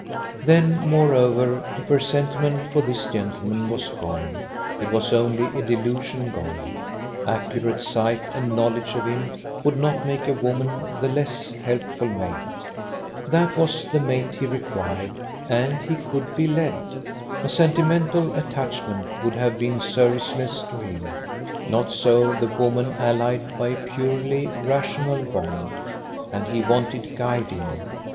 Then, moreover, if her sentiment for this gentleman was gone, it was only a delusion gone; accurate sight and knowledge of him would not make a woman the less helpful mate. That was the mate he required: and he could be led. A sentimental attachment would have been serviceless to him. Not so the woman allied by a purely rational bond: and he wanted guiding.